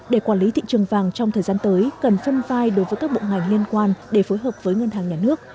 để quản lý thị trường vàng trong thời gian tới cần phân vai đối với các bộ ngành liên quan để phối hợp với ngân hàng nhà nước